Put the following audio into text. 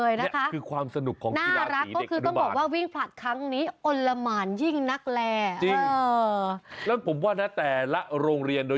ยืนอยู่ตรงนั้นทั้งวันเลยนะมั้ยเนี่ย